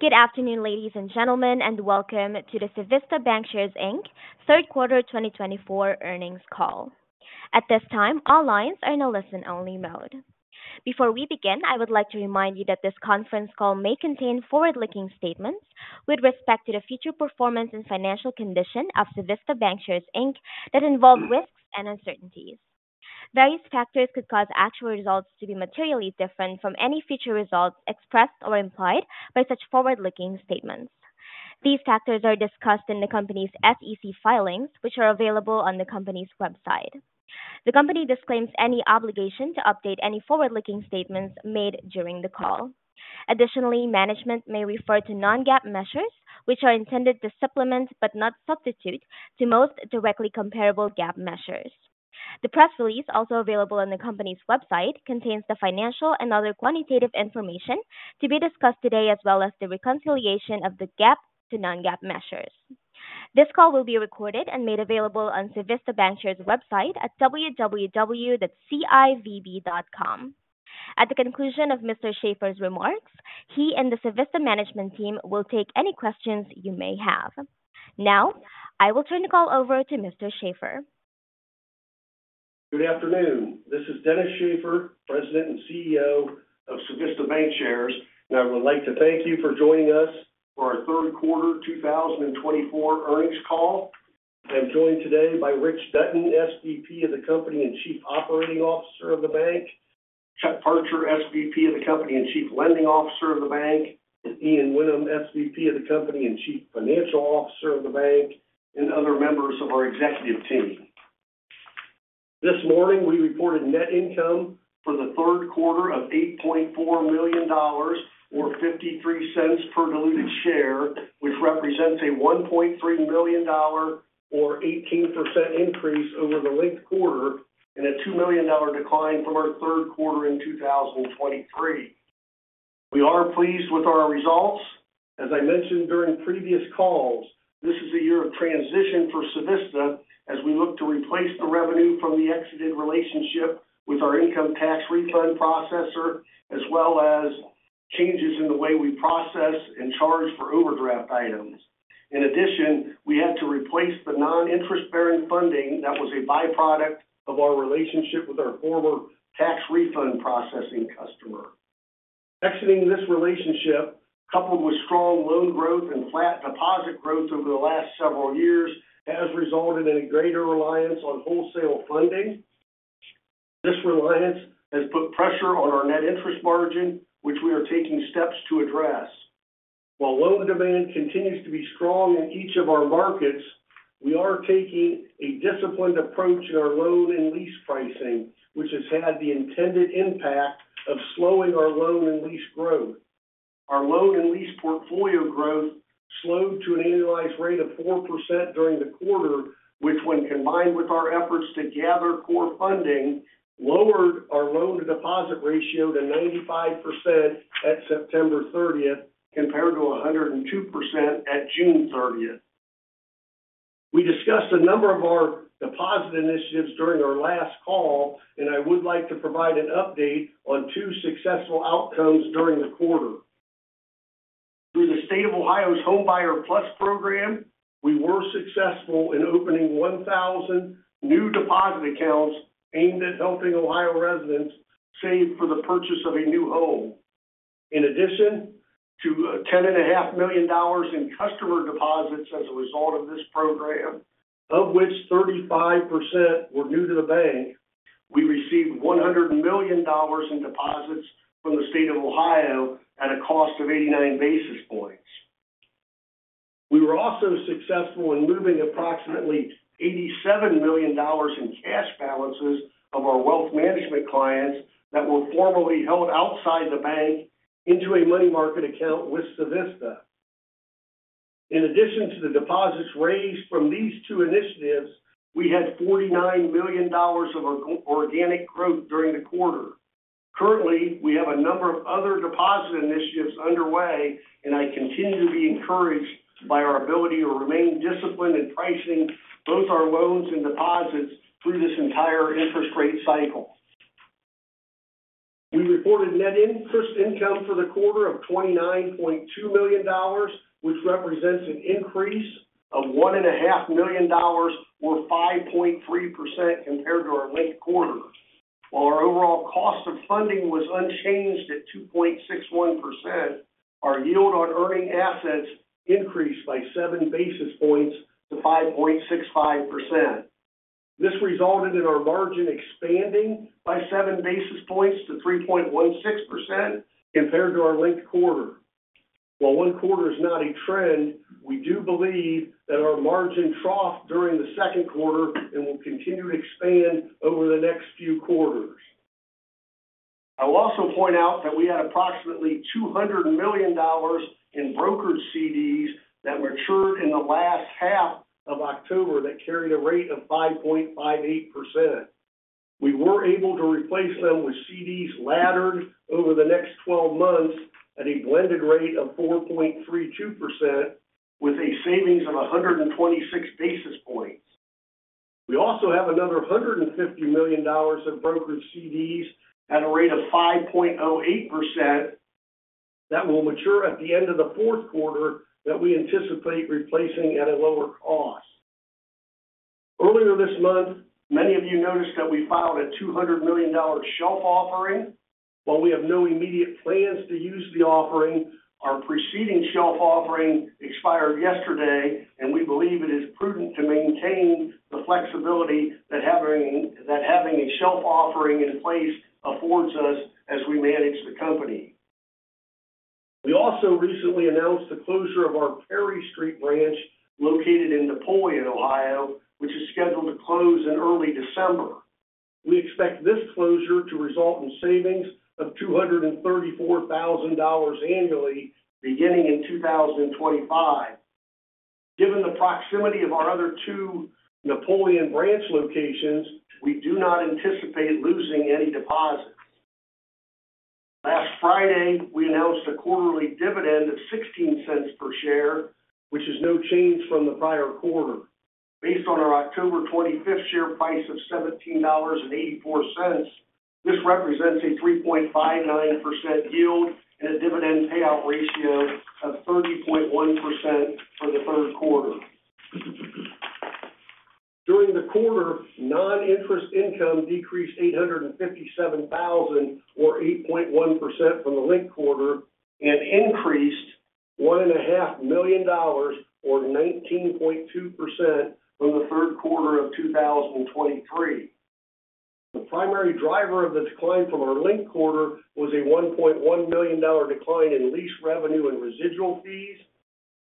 Good afternoon, ladies and gentlemen, and welcome to the Civista Bancshares, Inc. third quarter 2024 earnings call. At this time, all lines are in a listen-only mode. Before we begin, I would like to remind you that this conference call may contain forward-looking statements with respect to the future performance and financial condition of Civista Bancshares, Inc. that involve risks and uncertainties. Various factors could cause actual results to be materially different from any future results expressed or implied by such forward-looking statements. These factors are discussed in the company's SEC filings, which are available on the company's website. The company disclaims any obligation to update any forward-looking statements made during the call. Additionally, management may refer to non-GAAP measures, which are intended to supplement but not substitute most directly comparable GAAP measures. The press release, also available on the company's website, contains the financial and other quantitative information to be discussed today, as well as the reconciliation of the GAAP to non-GAAP measures. This call will be recorded and made available on Civista Bancshares' website at www.civb.com. At the conclusion of Mr. Shaffer's remarks, he and the Civista management team will take any questions you may have. Now, I will turn the call over to Mr. Shaffer. Good afternoon. This is Dennis Shaffer, President and CEO of Civista Bancshares. I would like to thank you for joining us for our third quarter 2024 earnings call. I'm joined today by Rich Dutton, SVP of the Company and Chief Operating Officer of the Bank. Chuck Parcher, SVP of the Company and Chief Lending Officer of the Bank. Ian Whinnem, SVP of the Company and Chief Financial Officer of the Bank. And other members of our executive team. This morning, we reported net income for the third quarter of $8.4 million, or $0.53 per diluted share, which represents a $1.3 million, or 18% increase over the last quarter and a $2 million decline from the third quarter in 2023. We are pleased with our results. As I mentioned during previous calls, this is a year of transition for Civista as we look to replace the revenue from the exited relationship with our income tax refund processor, as well as changes in the way we process and charge for overdraft items. In addition, we had to replace the non-interest-bearing funding that was a byproduct of our relationship with our former tax refund processing customer. Exiting this relationship, coupled with strong loan growth and flat deposit growth over the last several years, has resulted in a greater reliance on wholesale funding. This reliance has put pressure on our net interest margin, which we are taking steps to address. While loan demand continues to be strong in each of our markets, we are taking a disciplined approach in our loan and lease pricing, which has had the intended impact of slowing our loan and lease growth. Our loan and lease portfolio growth slowed to an annualized rate of 4% during the quarter, which, when combined with our efforts to gather core funding, lowered our loan-to-deposit ratio to 95% at September 30 compared to 102% at June 30. We discussed a number of our deposit initiatives during our last call, and I would like to provide an update on two successful outcomes during the quarter. Through the State of Ohio's Homebuyer Plus program, we were successful in opening 1,000 new deposit accounts aimed at helping Ohio residents save for the purchase of a new home. In addition to $10.5 million in customer deposits as a result of this program, of which 35% were new to the bank, we received $100 million in deposits from the State of Ohio at a cost of 89 basis points. We were also successful in moving approximately $87 million in cash balances of our wealth management clients that were formerly held outside the bank into a money market account with Civista. In addition to the deposits raised from these two initiatives, we had $49 million of organic growth during the quarter. Currently, we have a number of other deposit initiatives underway, and I continue to be encouraged by our ability to remain disciplined in pricing both our loans and deposits through this entire interest rate cycle. We reported net interest income for the quarter of $29.2 million, which represents an increase of $1.5 million, or 5.3% compared to our linked quarter. While our overall cost of funding was unchanged at 2.61%, our yield on earning assets increased by 7 basis points to 5.65%. This resulted in our margin expanding by 7 basis points to 3.16% compared to our linked quarter. While one quarter is not a trend, we do believe that our margin troughed during the second quarter and will continue to expand over the next few quarters. I will also point out that we had approximately $200 million in brokered CDs that matured in the last half of October that carried a rate of 5.58%. We were able to replace them with CDs laddered over the next 12 months at a blended rate of 4.32%, with a savings of 126 basis points. We also have another $150 million of brokered CDs at a rate of 5.08% that will mature at the end of fourth quarter that we anticipate replacing at a lower cost. Earlier this month, many of you noticed that we filed a $200 million shelf offering. While we have no immediate plans to use the offering, our preceding shelf offering expired yesterday, and we believe it is prudent to maintain the flexibility that having a shelf offering in place affords us as we manage the company. We also recently announced the closure of our Perry Street branch located in Napoleon, Ohio, which is scheduled to close in early December. We expect this closure to result in savings of $234,000 annually beginning in 2025. Given the proximity of our other two Napoleon branch locations, we do not anticipate losing any deposits. Last Friday, we announced a quarterly dividend of $0.16 per share, which is no change from the prior quarter. Based on our October 25 share price of $17.84, this represents a 3.59% yield and a dividend payout ratio of 30.1% for the third quarter. During the quarter, non-interest income decreased $857,000, or 8.1% from the last quarter, and increased $1.5 million, or 19.2% from the third quarter of 2023. The primary driver of the decline from our last quarter was a $1.1 million decline in lease revenue and residual fees.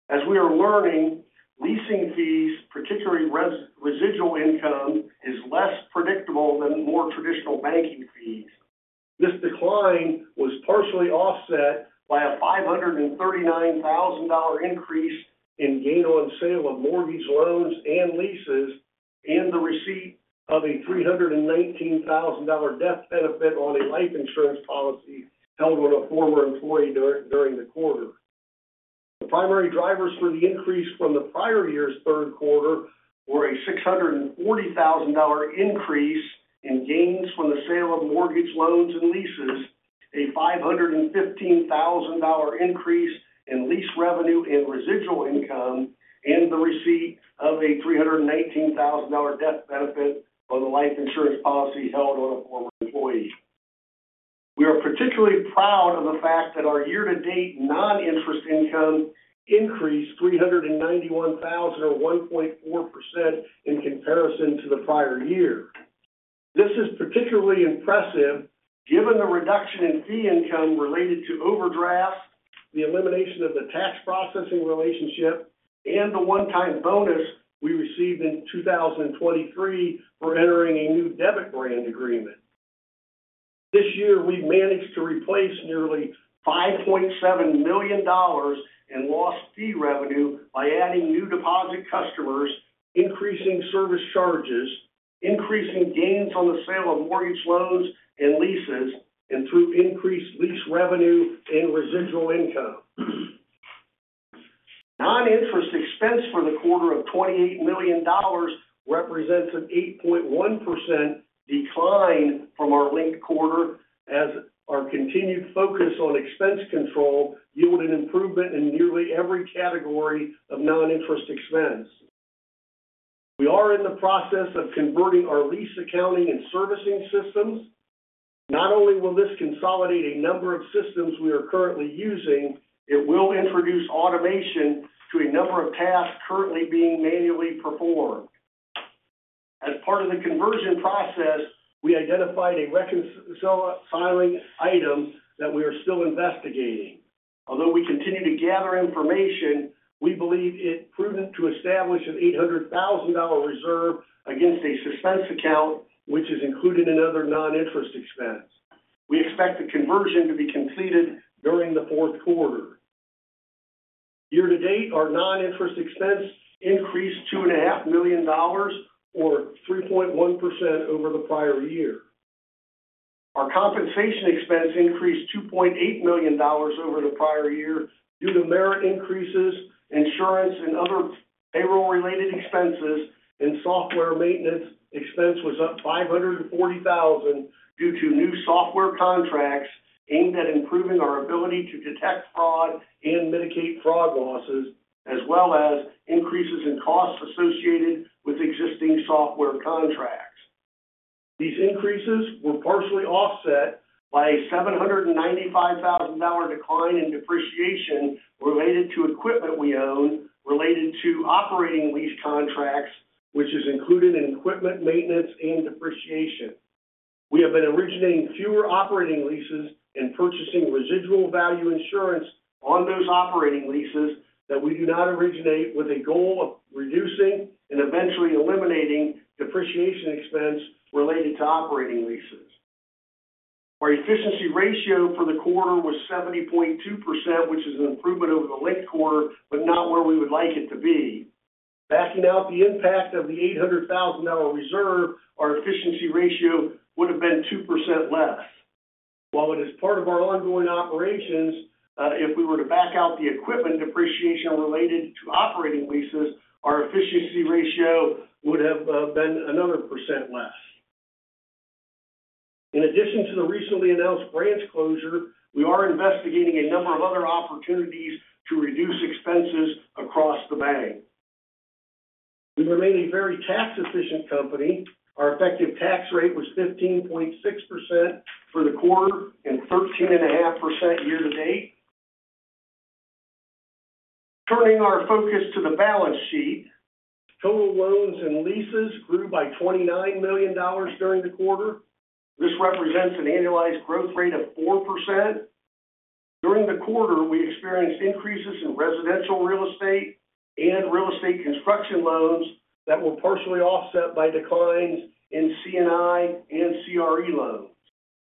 As we are learning, leasing fees, particularly residual income, is less predictable than more traditional banking fees. This decline was partially offset by a $539,000 increase in gain on sale of mortgage loans and leases and the receipt of a $319,000 death benefit on a life insurance policy held with a former employee during the quarter. The primary drivers for the increase from the prior year's third quarter were a $640,000 increase in gains from the sale of mortgage loans and leases, a $515,000 increase in lease revenue and residual income, and the receipt of a $319,000 death benefit on a life insurance policy held with a former employee. We are particularly proud of the fact that our year-to-date non-interest income increased $391,000, or 1.4% in comparison to the prior year. This is particularly impressive given the reduction in fee income related to overdrafts, the elimination of the tax processing relationship, and the one-time bonus we received in 2023 for entering a new debit brand agreement. This year, we managed to replace nearly $5.7 million in lost fee revenue by adding new deposit customers, increasing service charges, increasing gains on the sale of mortgage loans and leases, and through increased lease revenue and residual income. Non-interest expense for the quarter of $28 million represents an 8.1% decline from our last quarter, as our continued focus on expense control yielded an improvement in nearly every category of non-interest expense. We are in the process of converting our lease accounting and servicing systems. Not only will this consolidate a number of systems we are currently using, it will introduce automation to a number of tasks currently being manually performed. As part of the conversion process, we identified a reconciling item that we are still investigating. Although we continue to gather information, we believe it prudent to establish an $800,000 reserve against a suspense account, which is included in other non-interest expense. We expect the conversion to be completed during fourth quarter. Year-to-date, our non-interest expense increased $2.5 million, or 3.1% over the prior year. Our compensation expense increased $2.8 million over the prior year due to merit increases, insurance, and other payroll-related expenses, and software maintenance expense was up $540,000 due to new software contracts aimed at improving our ability to detect fraud and mitigate fraud losses, as well as increases in costs associated with existing software contracts. These increases were partially offset by a $795,000 decline in depreciation related to equipment we own related to operating lease contracts, which is included in equipment maintenance and depreciation. We have been originating fewer operating leases and purchasing residual value insurance on those operating leases that we do not originate, with a goal of reducing and eventually eliminating depreciation expense related to operating leases. Our efficiency ratio for the quarter was 70.2%, which is an improvement over late quarter, but not where we would like it to be. Backing out the impact of the $800,000 reserve, our efficiency ratio would have been 2% less. While it is part of our ongoing operations, if we were to back out the equipment depreciation related to operating leases, our efficiency ratio would have been another percent less. In addition to the recently announced branch closure, we are investigating a number of other opportunities to reduce expenses across the bank. We remain a very tax-efficient company. Our effective tax rate was 15.6% for the quarter and 13.5% year-to-date. Turning our focus to the balance sheet, total loans and leases grew by $29 million during the quarter. This represents an annualized growth rate of 4%. During the quarter, we experienced increases in residential real estate and real estate construction loans that were partially offset by declines in C&I and CRE loans.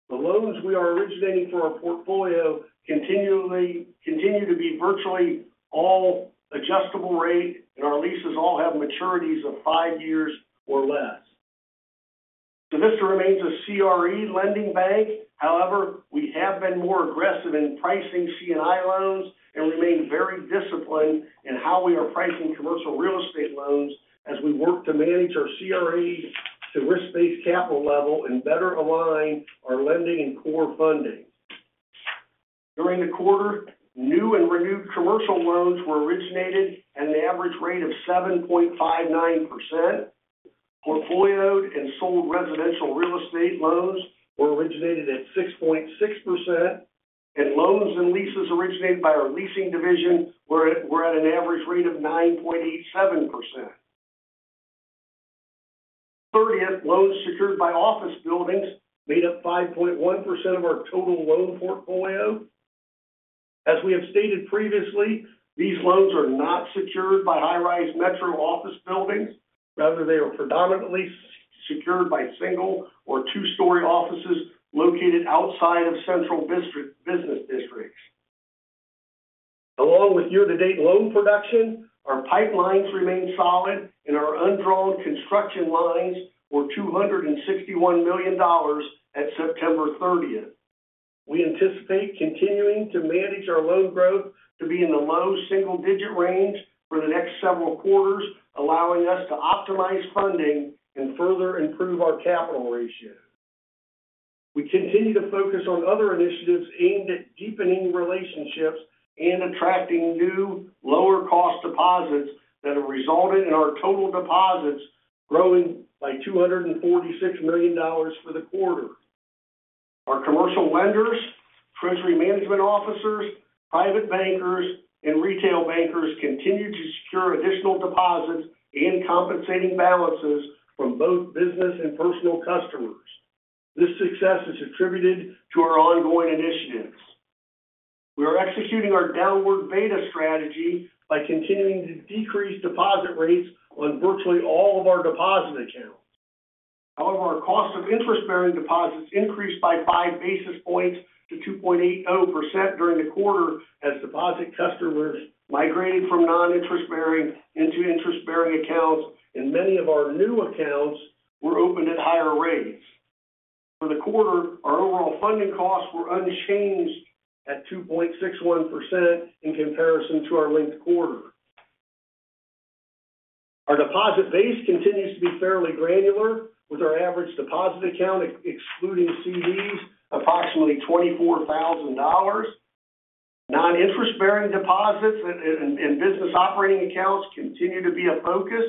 The loans we are originating for our portfolio continue to be virtually all adjustable rate, and our leases all have maturities of five years or less. Civista remains a CRE lending bank. However, we have been more aggressive in pricing C&I loans and remain very disciplined in how we are pricing commercial real estate loans as we work to manage our CRE to risk-based capital level and better align our lending and core funding. During the quarter, new and renewed commercial loans were originated at an average rate of 7.59%. Portfolioed and sold residential real estate loans were originated at 6.6%, and loans and leases originated by our leasing division were at an average rate of 9.87%. Loans secured by office buildings made up 5.1% of our total loan portfolio. As we have stated previously, these loans are not secured by high-rise metro office buildings. Rather, they are predominantly secured by single or two-story offices located outside of central business districts. Along with year-to-date loan production, our pipelines remain solid, and our undrawn construction lines were $261 million at September 30. We anticipate continuing to manage our loan growth to be in the low single-digit range for the next several quarters, allowing us to optimize funding and further improve our capital ratio. We continue to focus on other initiatives aimed at deepening relationships and attracting new, lower-cost deposits that have resulted in our total deposits growing by $246 million for the quarter. Our commercial lenders, treasury management officers, private bankers, and retail bankers continue to secure additional deposits and compensating balances from both business and personal customers. This success is attributed to our ongoing initiatives. We are executing our downward beta strategy by continuing to decrease deposit rates on virtually all of our deposit accounts. However, our cost of interest-bearing deposits increased by 5 basis points to 2.80% during the quarter as deposit customers migrated from non-interest-bearing into interest-bearing accounts, and many of our new accounts were opened at higher rates. For the quarter, our overall funding costs were unchanged at 2.61% in comparison to last quarter. Our deposit base continues to be fairly granular, with our average deposit account excluding CDs approximately $24,000. Non-interest-bearing deposits and business operating accounts continue to be a focus.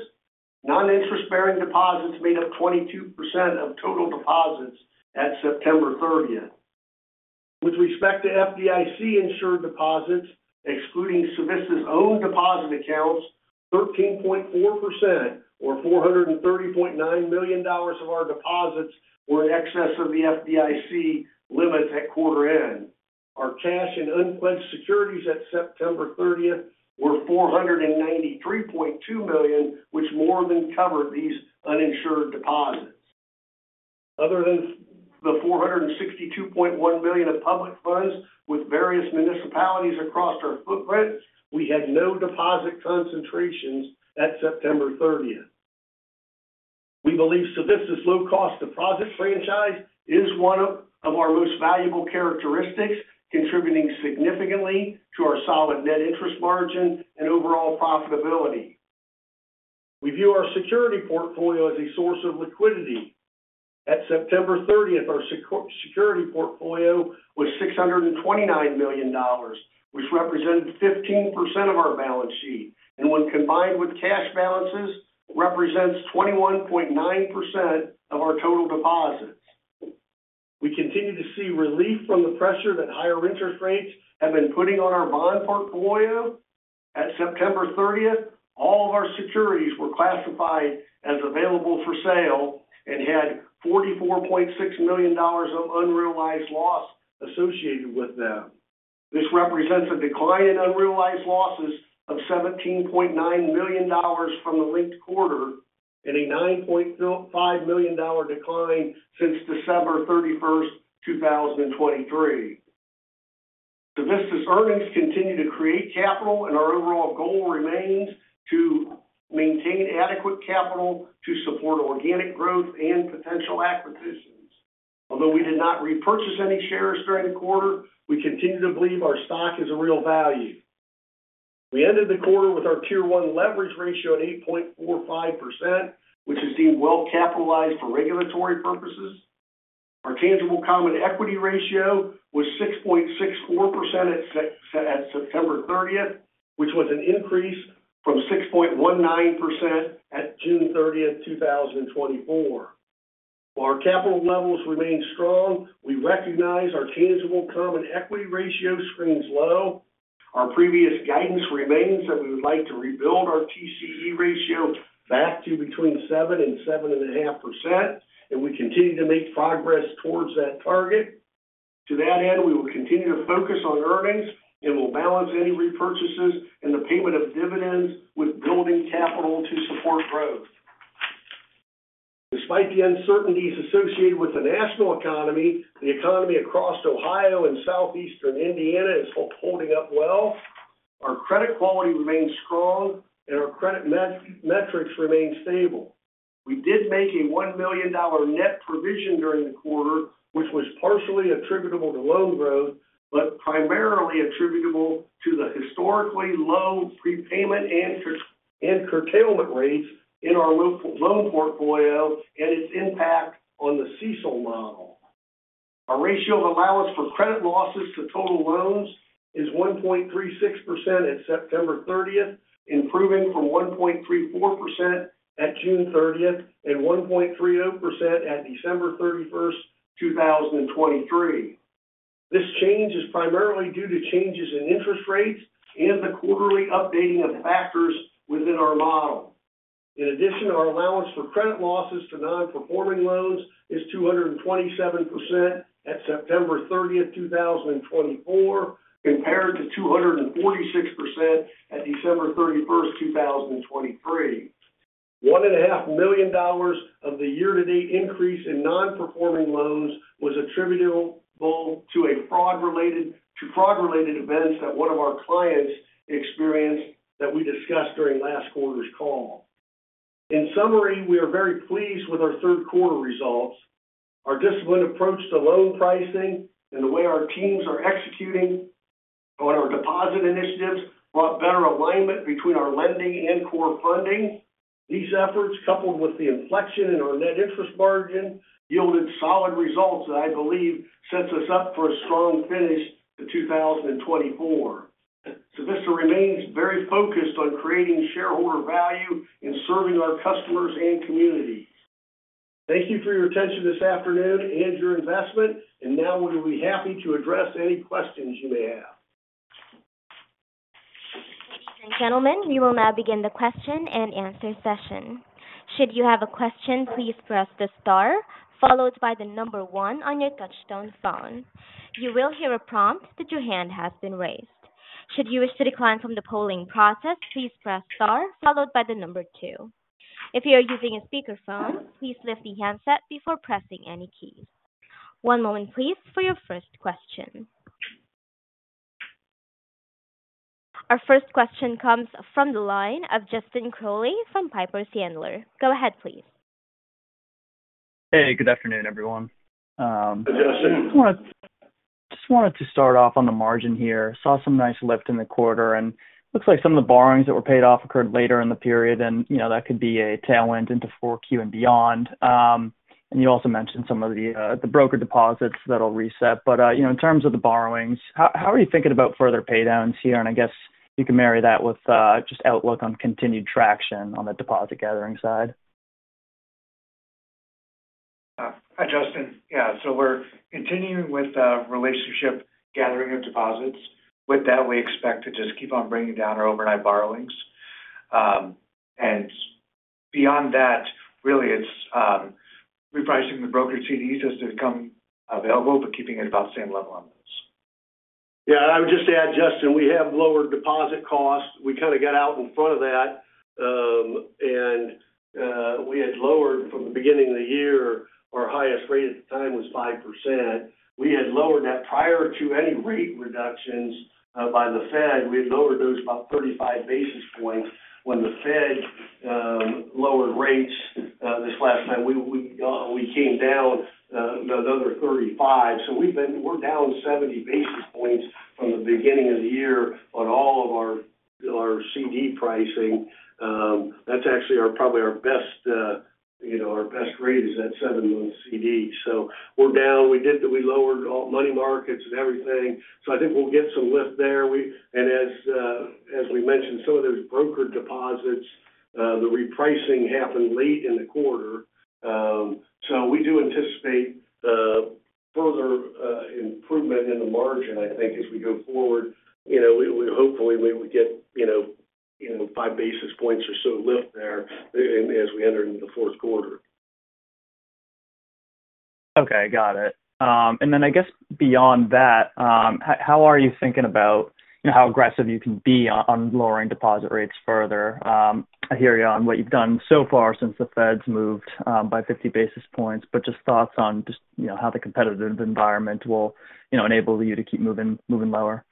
Non-interest-bearing deposits made up 22% of total deposits at September 30. With respect to FDIC insured deposits, excluding Civista's own deposit accounts, 13.4%, or $430.9 million, of our deposits were in excess of the FDIC limits at quarter end. Our cash and unpledged securities at September 30 were $493.2 million, which more than covered these uninsured deposits. Other than the $462.1 million of public funds with various municipalities across our footprint, we had no deposit concentrations at September 30. We believe Civista's low-cost deposit franchise is one of our most valuable characteristics, contributing significantly to our solid net interest margin and overall profitability. We view our securities portfolio as a source of liquidity. At September 30, our securities portfolio was $629 million, which represented 15% of our balance sheet, and when combined with cash balances, represents 21.9% of our total deposits. We continue to see relief from the pressure that higher interest rates have been putting on our bond portfolio. At September 30, all of our securities were classified as available for sale and had $44.6 million of unrealized loss associated with them. This represents a decline in unrealized losses of $17.9 million from last quarter and a $9.5 million decline since December 31, 2023. Civista's earnings continue to create capital, and our overall goal remains to maintain adequate capital to support organic growth and potential acquisitions. Although we did not repurchase any shares during the quarter, we continue to believe our stock is a real value. We ended the quarter with our Tier 1 Leverage Ratio at 8.45%, which is deemed well-capitalized for regulatory purposes. Our Tangible Common Equity ratio was 6.64% at September 30, which was an increase from 6.19% at June 30, 2024. While our capital levels remain strong, we recognize our Tangible Common Equity ratio screams low. Our previous guidance remains that we would like to rebuild our TCE ratio back to between 7% and 7.5%, and we continue to make progress towards that target. To that end, we will continue to focus on earnings and will balance any repurchases and the payment of dividends with building capital to support growth. Despite the uncertainties associated with the national economy, the economy across Ohio and southeastern Indiana is holding up well. Our credit quality remains strong, and our credit metrics remain stable. We did make a $1 million net provision during the quarter, which was partially attributable to loan growth, but primarily attributable to the historically low prepayment and curtailment rates in our loan portfolio and its impact on the CECL model. Our ratio of allowance for credit losses to total loans is 1.36% at September 30, improving from 1.34% at June 30 and 1.30% at December 31, 2023. This change is primarily due to changes in interest rates and the quarterly updating of factors within our model. In addition, our allowance for credit losses to non-performing loans is 227% at September 30, 2024, compared to 246% at December 31, 2023. $1.5 million of the year-to-date increase in non-performing loans was attributable to fraud-related events that one of our clients experienced that we discussed during last quarter's call. In summary, we are very pleased with our third quarter results. Our disciplined approach to loan pricing and the way our teams are executing on our deposit initiatives brought better alignment between our lending and core funding. These efforts, coupled with the inflection in our net interest margin, yielded solid results that I believe set us up for a strong finish to 2024. Civista remains very focused on creating shareholder value and serving our customers and community. Thank you for your attention this afternoon and your investment, and now we will be happy to address any questions you may have. Ladies and gentlemen, we will now begin the question and answer session. Should you have a question, please press the star, followed by the number one on your touch-tone phone. You will hear a prompt that your hand has been raised. Should you wish to decline from the polling process, please press star, followed by the number two. If you are using a speakerphone, please lift the handset before pressing any keys. One moment, please, for your first question. Our first question comes from the line of Justin Crowley from Piper Sandler. Go ahead, please. Hey, good afternoon, everyone. Justin. Just wanted to start off on the margin here. Saw some nice lift in the quarter, and it looks like some of the borrowings that were paid off occurred later in the period, and that could be a tailwind into 4Q and beyond. And you also mentioned some of the brokered deposits that will reset. But in terms of the borrowings, how are you thinking about further paydowns here? And I guess you can marry that with just outlook on continued traction on the deposit gathering side. Hi, Justin. Yeah, so we're continuing with the relationship gathering of deposits. With that, we expect to just keep on bringing down our overnight borrowings. Beyond that, really, it's repricing the brokered CDs as they become available, but keeping it about the same level on those. Yeah, I would just add, Justin, we have lowered deposit costs. We kind of got out in front of that, and we had lowered from the beginning of the year. Our highest rate at the time was 5%. We had lowered that prior to any rate reductions by the Fed. We had lowered those by 35 basis points. When the Fed lowered rates this last time, we came down another 35. So we're down 70 basis points from the beginning of the year on all of our CD pricing. That's actually probably our best rate, that seven-month CD. So we're down. We lowered all money markets and everything. So I think we'll get some lift there. And as we mentioned, some of those brokered deposits, the repricing happened late in the quarter. So we do anticipate further improvement in the margin, I think, as we go forward. Hopefully, we would get five basis points or so lift there as we enter into the fourth quarter. Okay, got it. And then I guess beyond that, how are you thinking about how aggressive you can be on lowering deposit rates further? I hear you on what you've done so far since the Fed's moved by 50 basis points, but just thoughts on how the competitive environment will enable you to keep moving lower.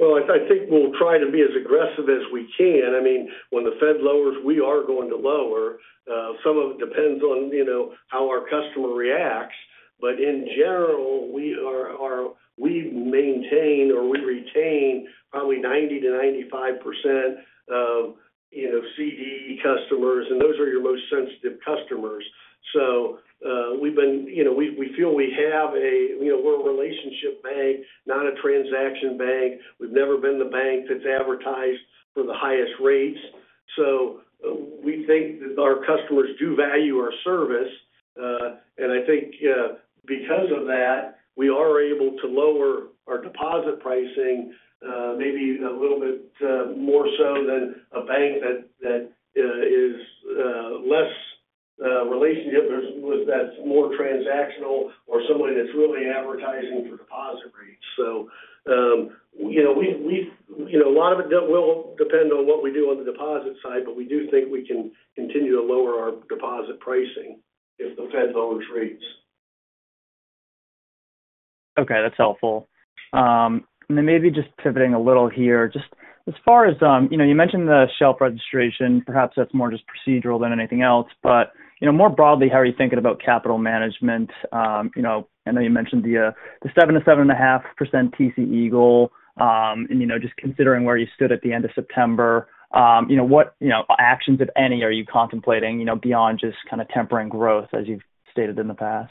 I think we'll try to be as aggressive as we can. I mean, when the Fed lowers, we are going to lower. Some of it depends on how our customer reacts. But in general, we maintain or we retain probably 90%-95% of CD customers, and those are your most sensitive customers. So we feel we have—we're a relationship bank, not a transaction bank. We've never been the bank that's advertised for the highest rates. So we think that our customers do value our service. And I think because of that, we are able to lower our deposit pricing maybe a little bit more so than a bank that is less relationship, that's more transactional, or somebody that's really advertising for deposit rates. A lot of it will depend on what we do on the deposit side, but we do think we can continue to lower our deposit pricing if the Fed lowers rates. Okay, that's helpful. And then maybe just pivoting a little here, just as far as you mentioned the shelf registration, perhaps that's more just procedural than anything else. But more broadly, how are you thinking about capital management? I know you mentioned the 7%-7.5% TCE goal. And just considering where you stood at the end of September, what actions, if any, are you contemplating beyond just kind of tempering growth as you've stated in the past?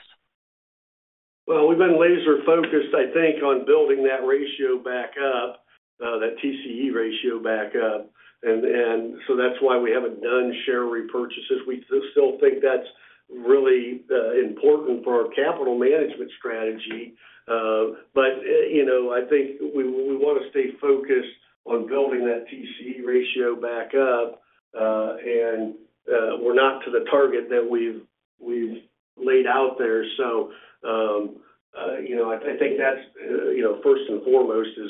We've been laser-focused, I think, on building that ratio back up, that TCE ratio back up. And so that's why we haven't done share repurchases. We still think that's really important for our capital management strategy. But I think we want to stay focused on building that TCE ratio back up, and we're not to the target that we've laid out there. So I think that's first and foremost is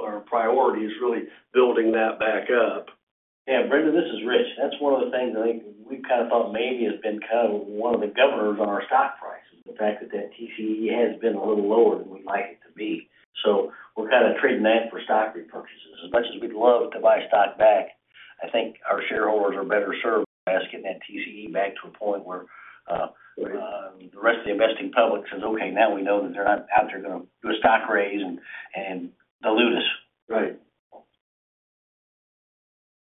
our priority, is really building that back up. Yeah Justin, this is Rich. That's one of the things I think we've kind of thought maybe has been kind of one of the governors on our stock prices, the fact that that TCE has been a little lower than we'd like it to be. So we're kind of trading that for stock repurchases. As much as we'd love to buy stock back, I think our shareholders are better served by us getting that TCE back to a point where the rest of the investing public says, "Okay, now we know that they're not out there going to do a stock raise and dilute us. Right.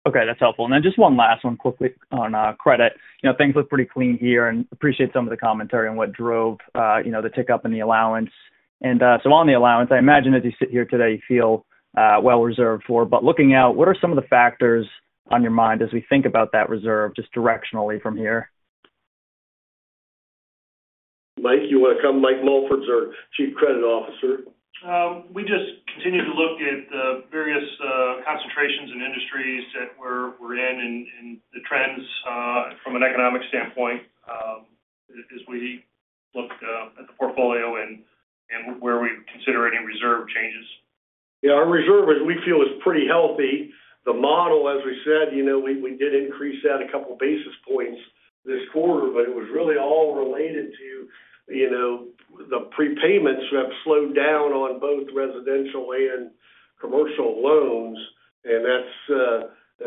Okay, that's helpful. And then just one last one quickly on credit. Things look pretty clean here, and I appreciate some of the commentary on what drove the tick up in the allowance. And so on the allowance, I imagine as you sit here today, you feel well reserved for. But looking out, what are some of the factors on your mind as we think about that reserve just directionally from here? Mike, you want to come? Mike Mulford's our Chief Credit Officer. We just continue to look at the various concentrations and industries that we're in and the trends from an economic standpoint as we look at the portfolio and where we consider any reserve changes. Yeah, our reserve, as we feel, is pretty healthy. The model, as we said, we did increase that a couple of basis points this quarter, but it was really all related to the prepayments have slowed down on both residential and commercial loans, and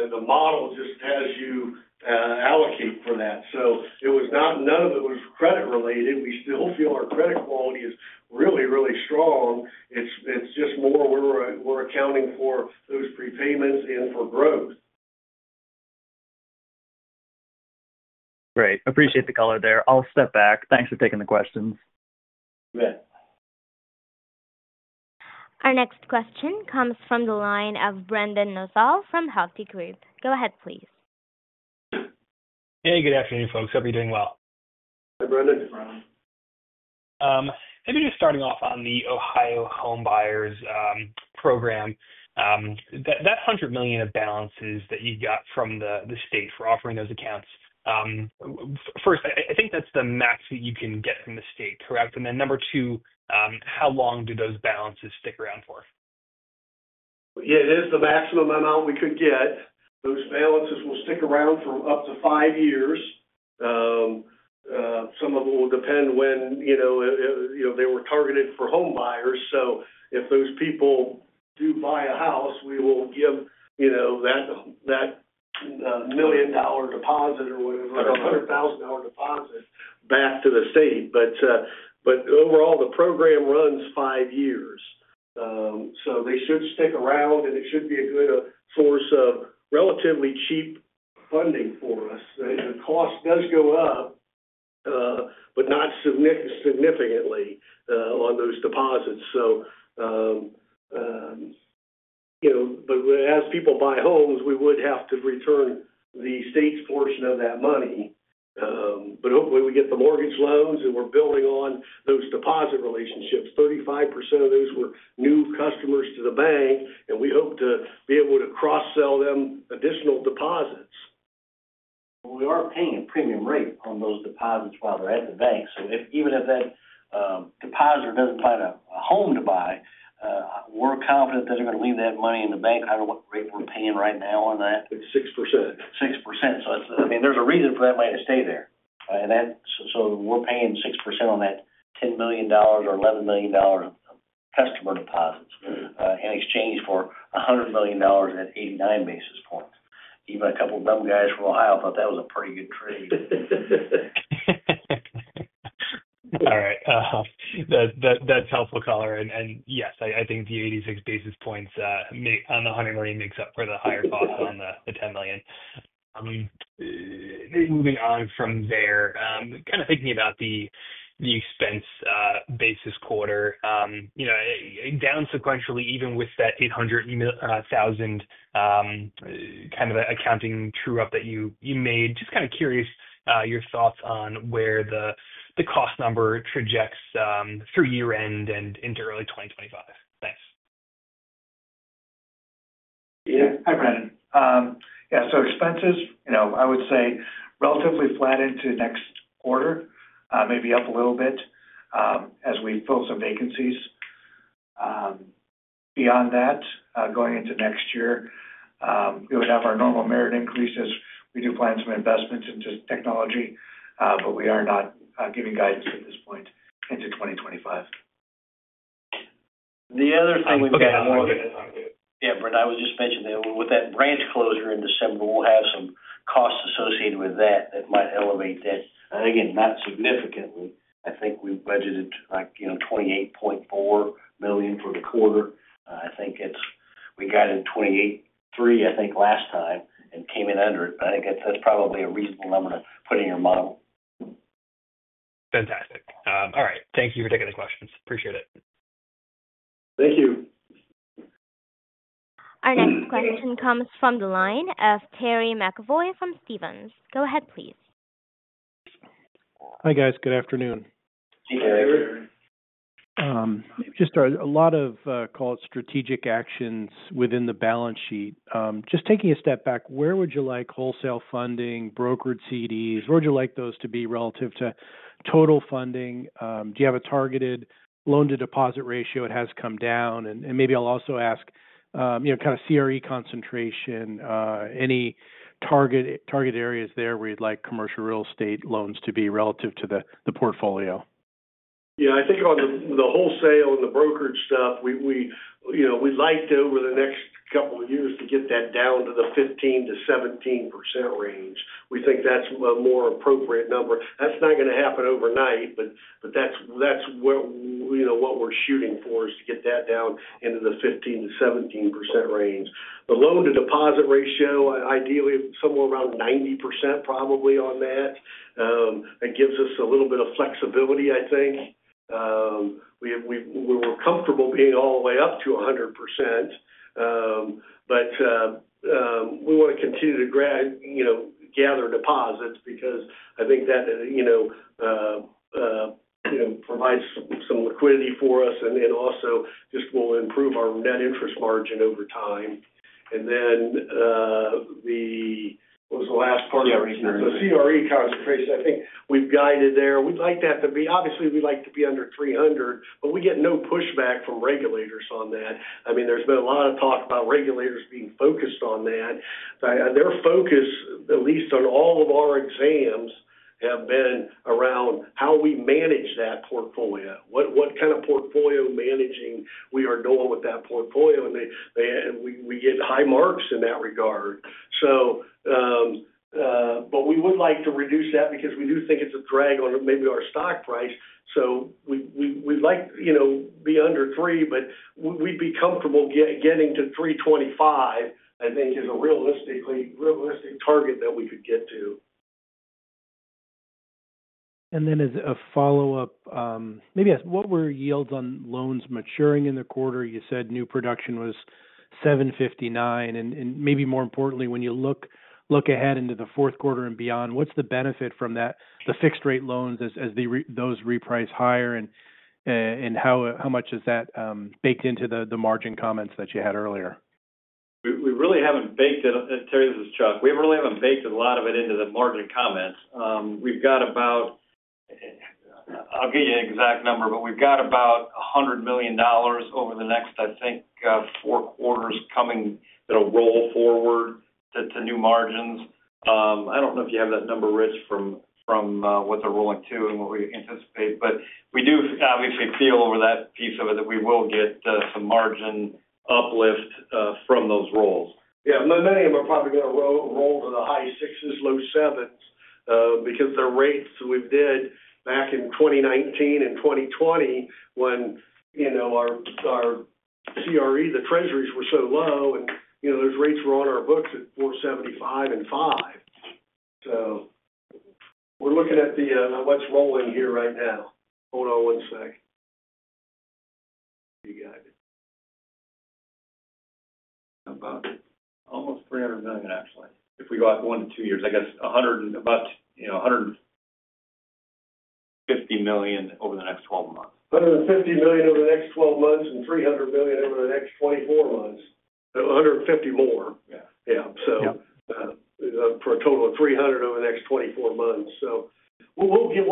the model just has you allocate for that, so none of it was credit-related. We still feel our credit quality is really, really strong. It's just more we're accounting for those prepayments and for growth. Great. Appreciate the color there. I'll step back. Thanks for taking the questions. You bet. Our next question comes from the line of Brendan Nosal from Hovde Group. Go ahead, please. Hey, good afternoon, folks. Hope you're doing well. Hi, Brendan. Maybe just starting off on the Ohio Homebuyer Plus program, that $100 million of balances that you got from the state for offering those accounts. First, I think that's the max that you can get from the state, correct? And then number two, how long do those balances stick around for? Yeah, it is the maximum amount we could get. Those balances will stick around for up to five years. Some of them will depend when they were targeted for home buyers. So if those people do buy a house, we will give that $1 million deposit or whatever, that $100,000 deposit back to the state. But overall, the program runs five years. So they should stick around, and it should be a good source of relatively cheap funding for us. The cost does go up, but not significantly on those deposits. But as people buy homes, we would have to return the state's portion of that money. But hopefully, we get the mortgage loans, and we're building on those deposit relationships. 35% of those were new customers to the bank, and we hope to be able to cross-sell them additional deposits. We are paying a premium rate on those deposits while they're at the bank, so even if that depositor doesn't find a home to buy, we're confident that they're going to leave that money in the bank, no matter what rate we're paying right now on that. It's 6%. 6%. So I mean, there's a reason for that money to stay there. So we're paying 6% on that $10 million or $11 million of customer deposits in exchange for $100 million at 89 basis points. Even a couple of dumb guys from Ohio thought that was a pretty good trade. All right. That's helpful color. And yes, I think the 86 basis points on the honeymoon makes up for the higher cost on the $10 million. Moving on from there, kind of thinking about the expense basis quarter, down sequentially, even with that $800,000 kind of accounting true-up that you made, just kind of curious your thoughts on where the cost number trajects through year-end and into early 2025. Thanks. Yeah, hi, Brendan. Yeah, so expenses, I would say relatively flat into next quarter, maybe up a little bit as we fill some vacancies. Beyond that, going into next year, we would have our normal merit increase as we do plan some investments into technology, but we are not giving guidance at this point into 2025. The other thing we've got... Yeah, Brendan, I was just mentioning that with that branch closure in December, we'll have some costs associated with that that might elevate that, and again, not significantly. I think we budgeted like $28.4 million for the quarter. I think we got in $28.3 million, I think, last time and came in under it, but I think that's probably a reasonable number to put in your model. Fantastic. All right. Thank you for taking the questions. Appreciate it. Thank you. Our next question comes from the line of Terry McEvoy from Stephens. Go ahead, please. Hi guys. Good afternoon. Just a lot of, call it, strategic actions within the balance sheet. Just taking a step back, where would you like wholesale funding, brokered CDs? Where would you like those to be relative to total funding? Do you have a targeted loan-to-deposit ratio? It has come down, and maybe I'll also ask kind of CRE concentration, any target areas there where you'd like commercial real estate loans to be relative to the portfolio? Yeah, I think on the wholesale and the brokered stuff, we'd like to, over the next couple of years, to get that down to the 15%-17% range. We think that's a more appropriate number. That's not going to happen overnight, but that's what we're shooting for, is to get that down into the 15%-17% range. The loan-to-deposit ratio, ideally, somewhere around 90% probably on that. It gives us a little bit of flexibility, I think. We were comfortable being all the way up to 100%, but we want to continue to gather deposits because I think that provides some liquidity for us and also just will improve our net interest margin over time. And then what was the last part of the reason? The CRE concentration, I think we've guided there. We'd like that to be, obviously, we'd like to be under 300%, but we get no pushback from regulators on that. I mean, there's been a lot of talk about regulators being focused on that. Their focus, at least on all of our exams, has been around how we manage that portfolio, what kind of portfolio managing we are doing with that portfolio. And we get high marks in that regard. But we would like to reduce that because we do think it's a drag on maybe our stock price. So we'd like to be under 3, but we'd be comfortable getting to 325%, I think, is a realistic target that we could get to. And then as a follow-up, maybe what were yields on loans maturing in the quarter? You said new production was 7.59. And maybe more importantly, when you look ahead into the fourth quarter and beyond, what's the benefit from the fixed-rate loans as those reprice higher? And how much is that baked into the margin comments that you had earlier? We really haven't baked it. Terry, this is Chuck. We really haven't baked a lot of it into the margin comments. We've got about. I'll give you an exact number, but we've got about $100 million over the next, I think, four quarters coming that'll roll forward to new margins. I don't know if you have that number, Rich, from what they're rolling to and what we anticipate. But we do obviously feel over that piece of it that we will get some margin uplift from those rolls. Yeah, many of them are probably going to roll to the high sixes, low sevens because the rates we did back in 2019 and 2020 when our CRE, the Treasuries were so low, and those rates were on our books at 4.75 and 5. So we're looking at what's rolling here right now. Hold on one sec. How about almost $300 million, actually, if we go out one to two years, I guess about $150 million over the next 12 months. $150 million over the next 12 months and $300 million over the next 24 months. $150 million more. Yeah. So for a total of $300 million over the next 24 months. So we'll get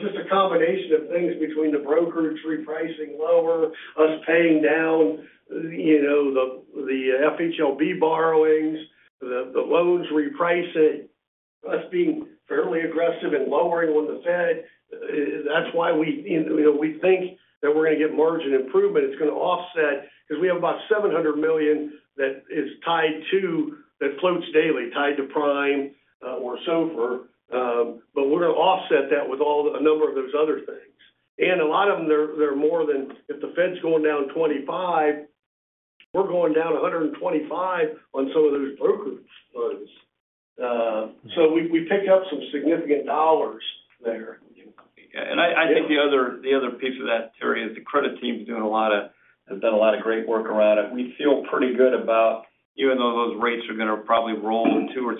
just a combination of things between the brokerage repricing lower, us paying down the FHLB borrowings, the loans repricing, us being fairly aggressive and lowering when the Fed, that's why we think that we're going to get margin improvement. It's going to offset because we have about $700 million that is tied to that floats daily, tied to prime or SOFR. But we're going to offset that with a number of those other things. And a lot of them, they're more than if the Fed's going down 25, we're going down 125 on some of those brokerage funds. So we pick up some significant dollars there. I think the other piece of that, Terry, is the credit team has done a lot of great work around it. We feel pretty good about, even though those rates are going to probably roll 2% or 3%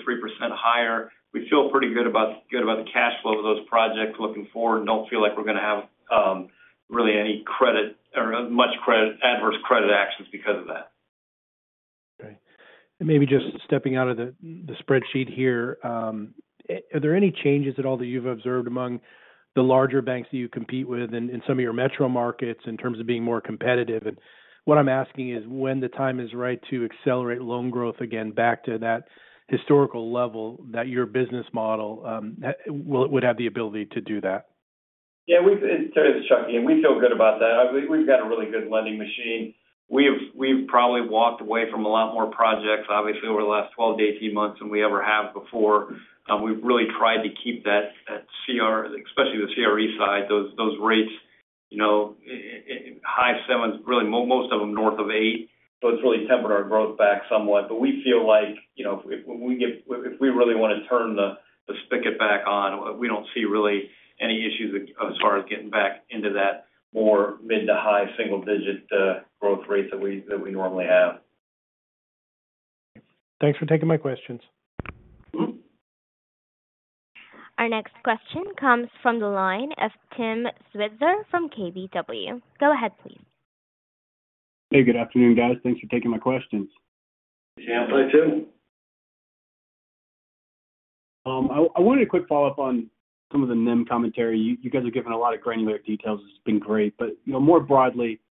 higher, we feel pretty good about the cash flow of those projects looking forward and don't feel like we're going to have really any credit or much adverse credit actions because of that. Okay. And maybe just stepping out of the spreadsheet here, are there any changes at all that you've observed among the larger banks that you compete with in some of your metro markets in terms of being more competitive? And what I'm asking is when the time is right to accelerate loan growth again back to that historical level that your business model would have the ability to do that? Yeah, Terry, this is Chuck. Again, we feel good about that. We've got a really good lending machine. We've probably walked away from a lot more projects, obviously, over the last 12 to 18 months than we ever have before. We've really tried to keep that, especially the CRE side, those rates high sevens, really most of them north of 8. So it's really tempered our growth back somewhat. But we feel like if we really want to turn the spigot back on, we don't see really any issues as far as getting back into that more mid to high single-digit growth rate that we normally have. Thanks for taking my questions. Our next question comes from the line of Tim Switzer from KBW. Go ahead, please. Hey, good afternoon, guys. Thanks for taking my questions. Yeah, Hi Tim. I wanted a quick follow-up on some of the NIM commentary. You guys are giving a lot of granular details. It's been great. But more broadly,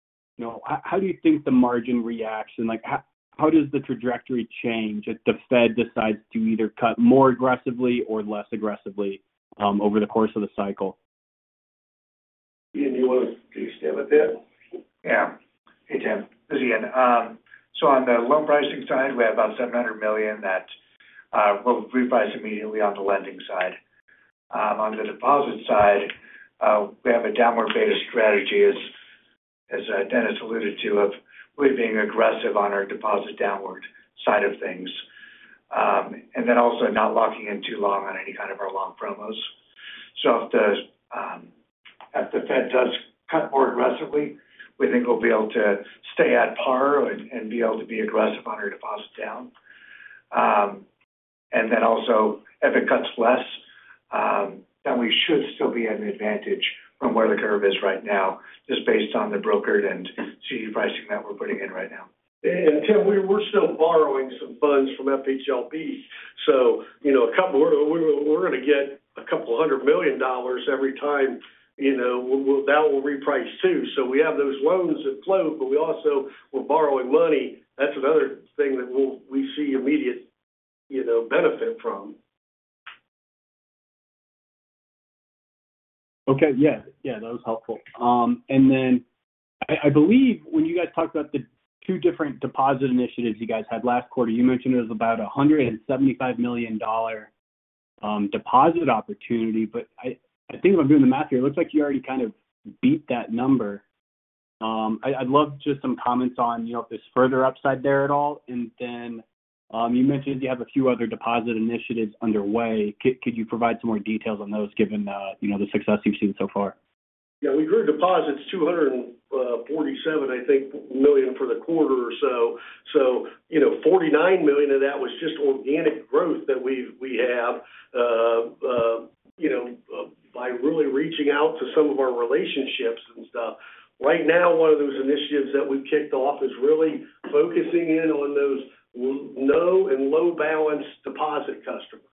how do you think the margin reacts? And how does the trajectory change if the Fed decides to either cut more aggressively or less aggressively over the course of the cycle? Yeah, do you want to stay with that? Yeah. Hey, Tim. This is Ian. So on the loan pricing side, we have about $700 million that will reprice immediately on the lending side. On the deposit side, we have a downward beta strategy, as Dennis alluded to, of really being aggressive on our deposit downward side of things. And then also not locking in too long on any kind of our long promos. So if the Fed does cut more aggressively, we think we'll be able to stay at par and be able to be aggressive on our deposit down. And then also, if it cuts less, then we should still be at an advantage from where the curve is right now, just based on the brokered and CD pricing that we're putting in right now. Tim, we're still borrowing some funds from FHLB. So we're going to get $200 million every time that will reprice too. So we have those loans in flow, but we also were borrowing money. That's another thing that we see immediate benefit from. Okay. Yeah. Yeah, that was helpful. And then I believe when you guys talked about the two different deposit initiatives you guys had last quarter, you mentioned it was about a $175 million deposit opportunity. But I think if I'm doing the math here, it looks like you already kind of beat that number. I'd love just some comments on if there's further upside there at all. And then you mentioned you have a few other deposit initiatives underway. Could you provide some more details on those given the success you've seen so far? Yeah, we grew deposits $247 million, I think, for the quarter or so. So $49 million of that was just organic growth that we have by really reaching out to some of our relationships and stuff. Right now, one of those initiatives that we've kicked off is really focusing in on those no and low-balance deposit customers.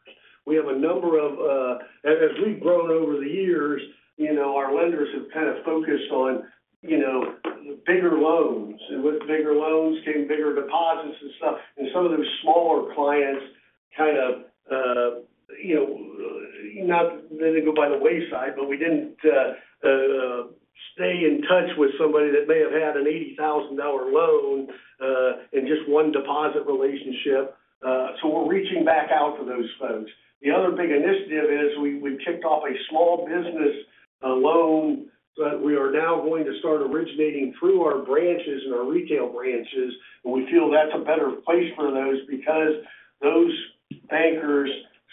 We have a number of, as we've grown over the years, our lenders have kind of focused on bigger loans. And with bigger loans came bigger deposits and stuff. And some of those smaller clients kind of not that they go by the wayside, but we didn't stay in touch with somebody that may have had an $80,000 loan and just one deposit relationship. So we're reaching back out to those folks. The other big initiative is we've kicked off a small business loan that we are now going to start originating through our branches and our retail branches, and we feel that's a better place for those because those bankers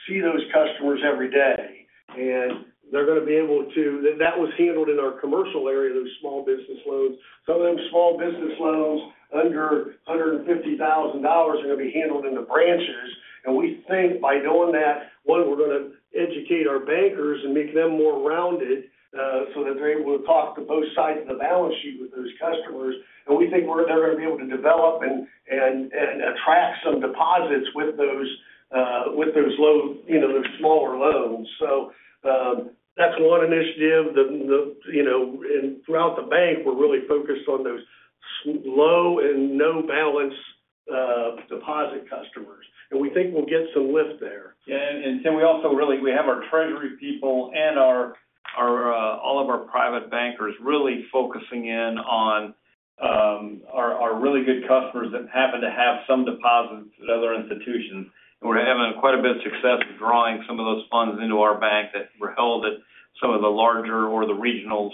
see those customers every day, and they're going to be able to, that was handled in our commercial area, those small business loans. Some of them small business loans under $150,000 are going to be handled in the branches, and we think by doing that, one, we're going to educate our bankers and make them more rounded so that they're able to talk to both sides of the balance sheet with those customers, and we think they're going to be able to develop and attract some deposits with those low, the smaller loans, so that's one initiative, and throughout the bank, we're really focused on those low and no-balance deposit customers. We think we'll get some lift there. Yeah. And Tim, we also really, we have our treasury people and all of our private bankers really focusing in on our really good customers that happen to have some deposits at other institutions. And we're having quite a bit of success with drawing some of those funds into our bank that were held at some of the larger or the regionals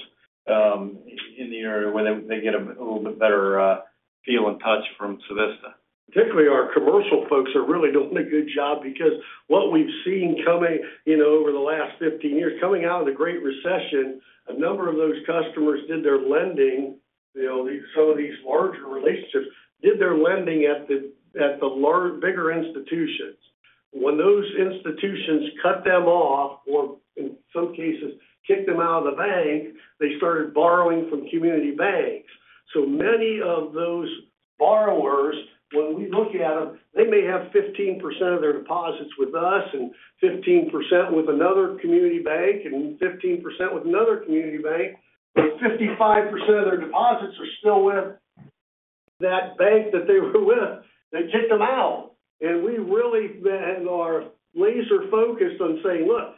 in the area where they get a little bit better feel and touch from Civista. Particularly, our commercial folks are really doing a good job because what we've seen coming over the last 15 years, coming out of the Great Recession, a number of those customers did their lending, some of these larger relationships, did their lending at the bigger institutions. When those institutions cut them off or, in some cases, kicked them out of the bank, they started borrowing from community banks. So many of those borrowers, when we look at them, they may have 15% of their deposits with us and 15% with another community bank and 15% with another community bank. So 55% of their deposits are still with that bank that they were with. They kicked them out. And we really are laser-focused on saying, "Look,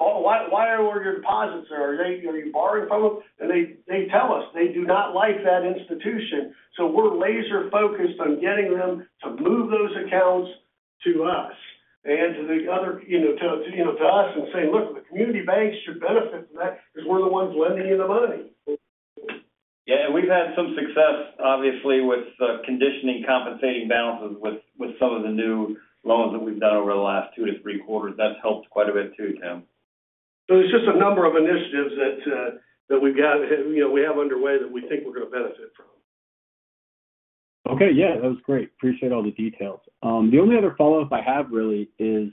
why are your deposits there? Are you borrowing from them?" And they tell us they do not like that institution. We're laser-focused on getting them to move those accounts to us and saying, "Look, the community banks should benefit from that because we're the ones lending you the money. Yeah. And we've had some success, obviously, with conditioning compensating balances with some of the new loans that we've done over the last two to three quarters. That's helped quite a bit too, Tim. So it's just a number of initiatives that we have underway that we think we're going to benefit from. Okay. Yeah, that was great. Appreciate all the details. The only other follow-up I have really is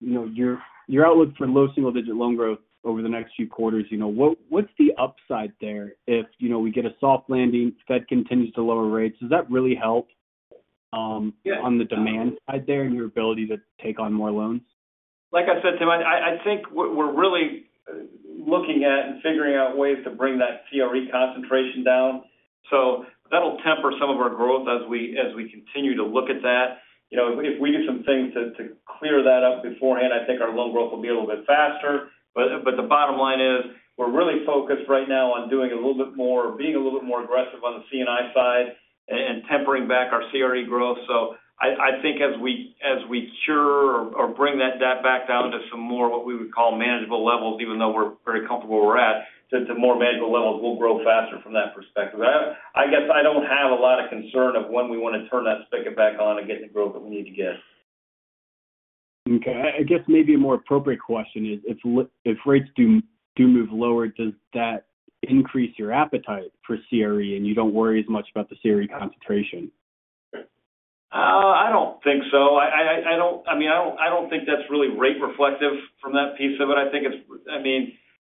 your outlook for low single-digit loan growth over the next few quarters. What's the upside there if we get a soft landing, the Fed continues to lower rates? Does that really help on the demand side there and your ability to take on more loans? Like I said, Tim, I think we're really looking at and figuring out ways to bring that CRE concentration down. So that'll temper some of our growth as we continue to look at that. If we do some things to clear that up beforehand, I think our loan growth will be a little bit faster. But the bottom line is we're really focused right now on doing a little bit more, being a little bit more aggressive on the C&I side and tempering back our CRE growth. So I think as we cure or bring that back down to some more what we would call manageable levels, even though we're very comfortable where we're at, to more manageable levels, we'll grow faster from that perspective. I guess I don't have a lot of concern of when we want to turn that spigot back on and get the growth that we need to get. Okay. I guess maybe a more appropriate question is, if rates do move lower, does that increase your appetite for CRE and you don't worry as much about the CRE concentration? I don't think so. I mean, I don't think that's really rate reflective from that piece of it. I think it's, I mean,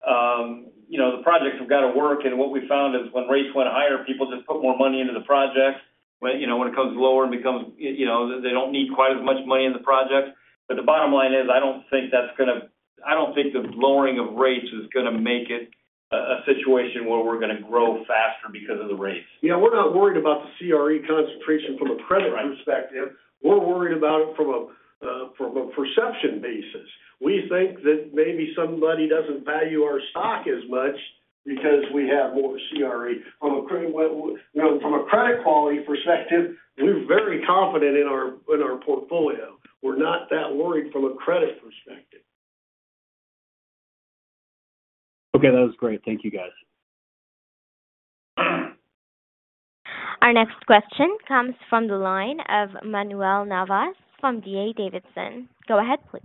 the projects have got to work, and what we found is when rates went higher, people just put more money into the projects. When it comes lower and becomes, they don't need quite as much money in the projects, but the bottom line is I don't think that's going to, I don't think the lowering of rates is going to make it a situation where we're going to grow faster because of the rates. Yeah. We're not worried about the CRE concentration from a credit perspective. We're worried about it from a perception basis. We think that maybe somebody doesn't value our stock as much because we have more CRE. From a credit quality perspective, we're very confident in our portfolio. We're not that worried from a credit perspective. Okay. That was great. Thank you, guys. Our next question comes from the line of Manuel Navas from D.A. Davidson. Go ahead, please.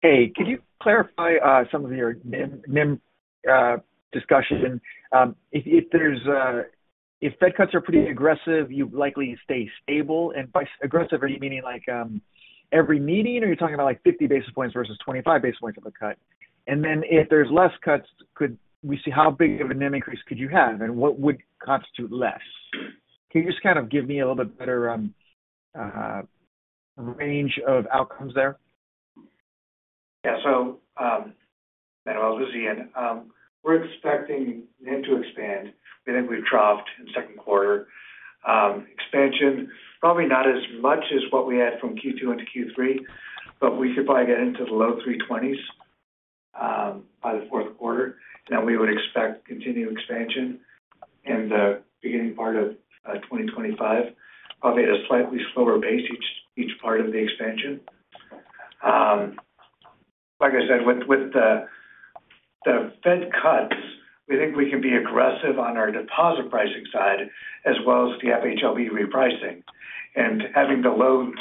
Hey, could you clarify some of your NIM discussion? If Fed cuts are pretty aggressive, you'd likely stay stable, and by aggressive, are you meaning every meeting, or are you talking about 50 basis points versus 25 basis points of a cut, and then if there's less cuts, we see how big of a NIM increase could you have and what would constitute less? Can you just kind of give me a little bit better range of outcomes there? Yeah. So I'll just say we're expecting NIM to expand. We think we've troughed in second quarter. Expansion, probably not as much as what we had from Q2 into Q3, but we could probably get into the low 3.20% by the fourth quarter. And then we would expect continued expansion in the beginning part of 2025, probably at a slightly slower pace each part of the expansion. Like I said, with the Fed cuts, we think we can be aggressive on our deposit pricing side as well as the FHLB repricing and having the loans,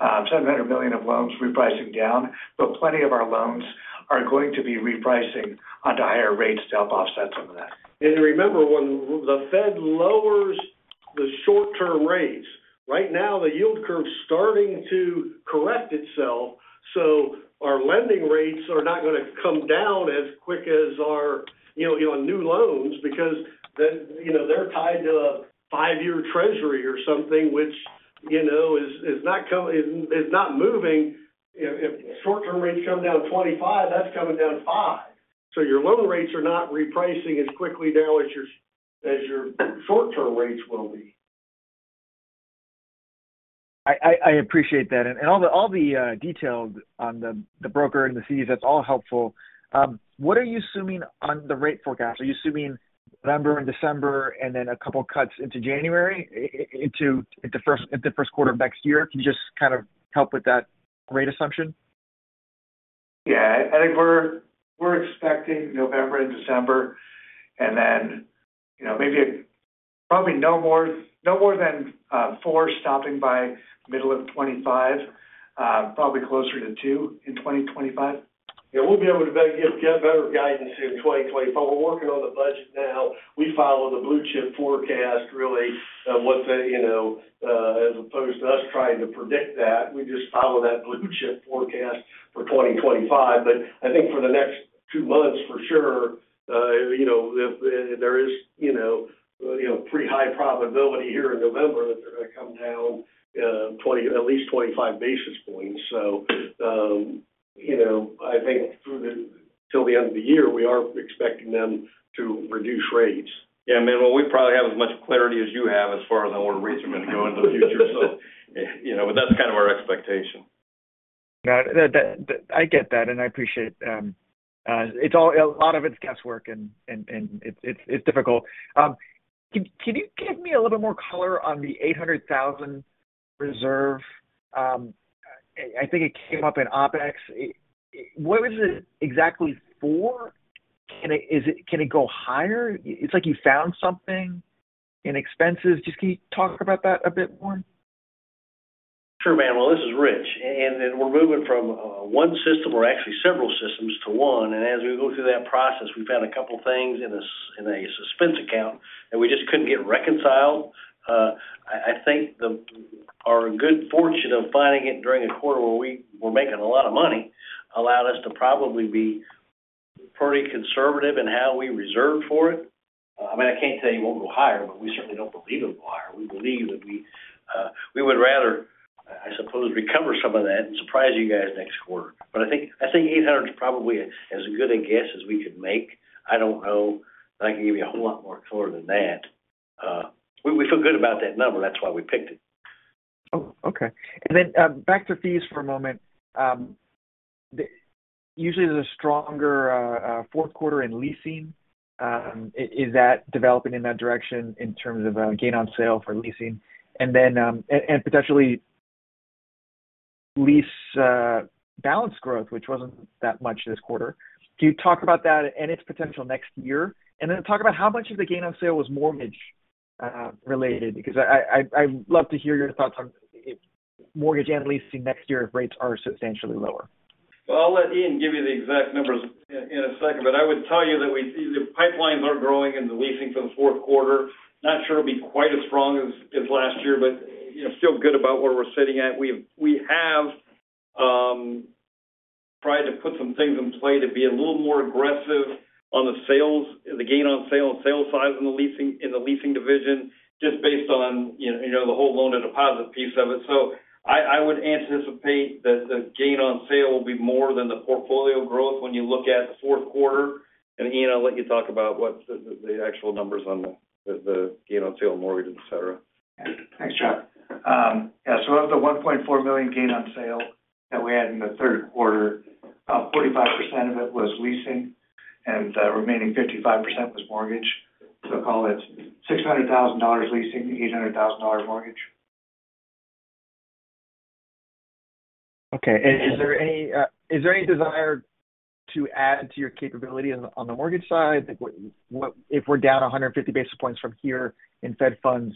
$700 million of loans repricing down. But plenty of our loans are going to be repricing onto higher rates to help offset some of that. Remember, when the Fed lowers the short-term rates, right now the yield curve is starting to correct itself. So our lending rates are not going to come down as quick as our new loans because they're tied to a five-year Treasury or something, which is not moving. Short-term rates come down 25, that's coming down 5. So your loan rates are not repricing as quickly now as your short-term rates will be. I appreciate that and all the details on the brokered CDs, that's all helpful. What are you assuming on the rate forecast? Are you assuming November and December and then a couple of cuts into January, into the first quarter of next year? Can you just kind of help with that rate assumption? Yeah. I think we're expecting November and December and then maybe probably no more than four stopping by middle of 2025, probably closer to two in 2025. Yeah. We'll be able to get better guidance in 2025. We're working on the budget now. We follow the Blue Chip Forecast, really, of what the, as opposed to us trying to predict that, we just follow that Blue Chip Forecast for 2025. But I think for the next two months, for sure, there is pretty high probability here in November that they're going to come down at least 25 basis points. So I think till the end of the year, we are expecting them to reduce rates. Yeah. I mean, well, we probably have as much clarity as you have as far as on where rates are going to go in the future. But that's kind of our expectation. Got it. I get that. And I appreciate it. A lot of it's guesswork, and it's difficult. Can you give me a little bit more color on the $800,000 reserve? I think it came up in OpEx. What was it exactly for? Can it go higher? It's like you found something in expenses. Just can you talk about that a bit more? Sure, man. Well, this is Rich, and then we're moving from one system or actually several systems to one, and as we go through that process, we found a couple of things in a suspense account that we just couldn't get reconciled. I think our good fortune of finding it during a quarter where we were making a lot of money allowed us to probably be pretty conservative in how we reserve for it. I mean, I can't tell you it won't go higher, but we certainly don't believe it will go higher. We believe that we would rather, I suppose, recover some of that and surprise you guys next quarter, but I think $800,000 is probably as good a guess as we could make. I don't know that I can give you a whole lot more color than that. We feel good about that number. That's why we picked it. Oh, okay. And then back to fees for a moment. Usually, there's a stronger fourth quarter in leasing. Is that developing in that direction in terms of gain on sale for leasing and potentially lease balance growth, which wasn't that much this quarter? Can you talk about that and its potential next year? And then talk about how much of the gain on sale was mortgage-related because I'd love to hear your thoughts on mortgage and leasing next year if rates are substantially lower. I'll let Ian give you the exact numbers in a second. I would tell you that the pipelines are growing in the leasing for the fourth quarter. Not sure it'll be quite as strong as last year, but feel good about where we're sitting at. We have tried to put some things in play to be a little more aggressive on the gain on sale and sale size in the leasing division just based on the whole loan to deposit piece of it. I would anticipate that the gain on sale will be more than the portfolio growth when you look at the fourth quarter. Ian, I'll let you talk about what the actual numbers on the gain on sale, mortgage, etc. Thanks, Chuck. Yeah. So of the $1.4 million gain on sale that we had in the third quarter, 45% of it was leasing and the remaining 55% was mortgage. So call it $600,000 leasing, $800,000 mortgage. Okay. And is there any desire to add to your capability on the mortgage side? If we're down 150 basis points from here in Fed funds,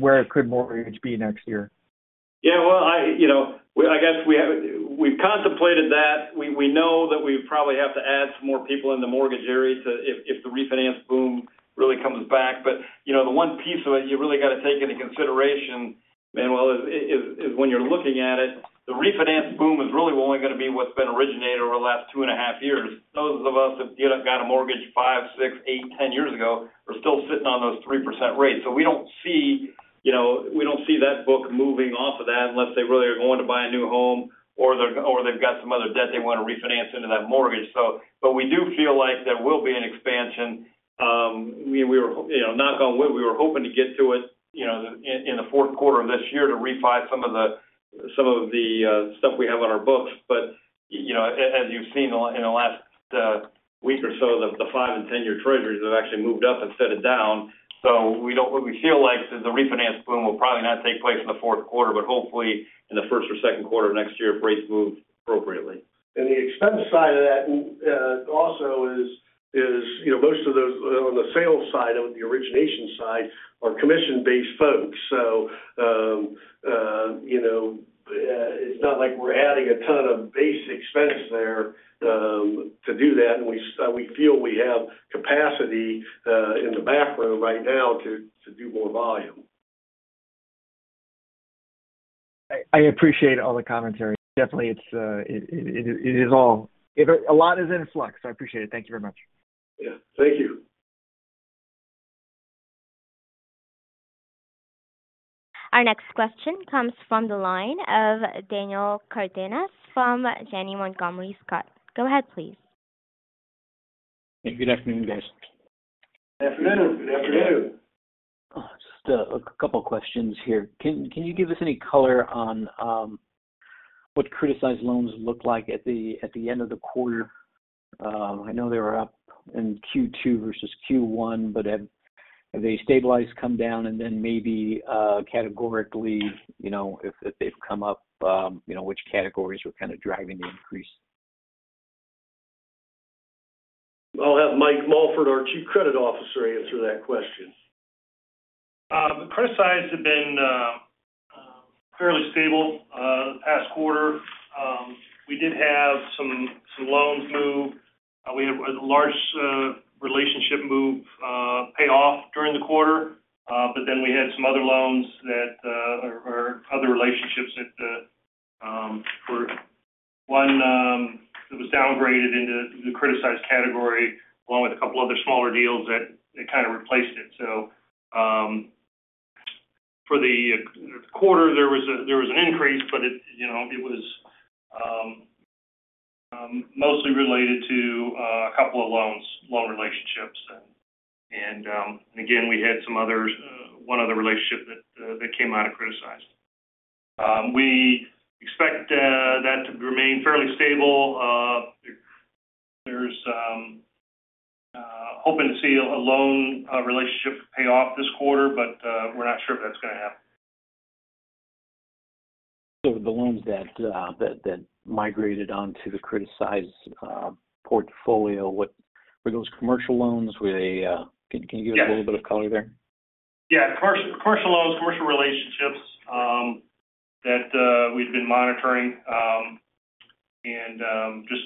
where could mortgage be next year? Yeah. Well, I guess we've contemplated that. We know that we probably have to add some more people in the mortgage area if the refinance boom really comes back. But the one piece of it you really got to take into consideration, Manuel, is when you're looking at it, the refinance boom is really only going to be what's been originated over the last two and a half years. Those of us that got a mortgage five, six, eight, ten years ago are still sitting on those 3% rates. So we don't see that book moving off of that unless they really are going to buy a new home or they've got some other debt they want to refinance into that mortgage. But we do feel like there will be an expansion. We were, knock on wood. We were hoping to get to it in the fourth quarter of this year to refine some of the stuff we have on our books. But as you've seen in the last week or so, the 5- and 10-year treasuries have actually moved up instead of down. So we feel like the refinance boom will probably not take place in the fourth quarter, but hopefully in the first or second quarter of next year if rates move appropriately. The expense side of that also is most of those on the sales side of the origination side are commission-based folks. So it's not like we're adding a ton of base expense there to do that. We feel we have capacity in the back room right now to do more volume. I appreciate all the commentary. Definitely, it is all. A lot is in flux. I appreciate it. Thank you very much. Yeah. Thank you. Our next question comes from the line of Daniel Cardenas from Janney Montgomery Scott. Go ahead, please. Hey, good afternoon, guys. Good afternoon. Good afternoon. Just a couple of questions here. Can you give us any color on what criticized loans look like at the end of the quarter? I know they were up in Q2 versus Q1, but have they stabilized, come down, and then maybe categorically, if they've come up, which categories were kind of driving the increase? I'll have Mike Mulford, our Chief Credit Officer, answer that question. The criticized have been fairly stable the past quarter. We did have some loans move. We had a large relationship move pay off during the quarter, but then we had some other loans or other relationships that were one that was downgraded into the criticized category along with a couple of other smaller deals that kind of replaced it. So for the quarter, there was an increase, but it was mostly related to a couple of loans, loan relationships, and again, we had one other relationship that came out of criticized. We expect that to remain fairly stable. We're hoping to see a loan relationship pay off this quarter, but we're not sure if that's going to happen. So the loans that migrated onto the criticized portfolio, were those commercial loans? Can you give us a little bit of color there? Yeah. Commercial loans, commercial relationships that we've been monitoring, and just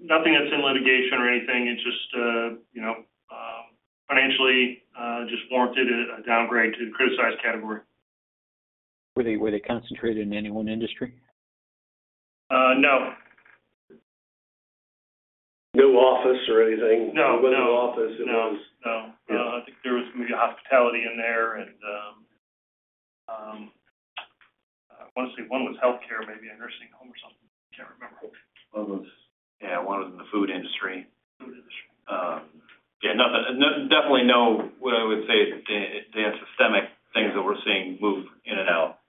nothing that's in litigation or anything. It's just financially warranted a downgrade to the criticized category. Were they concentrated in any one industry? No. No office or anything. No. It wasn't an office. It was. No. No. I think there was maybe a hospitality in there, and I want to say one was healthcare, maybe a nursing home or something. I can't remember. One was. Yeah. One was in the food industry. Food industry. Yeah. Definitely not what I would say the systemic things that we're seeing move in and out.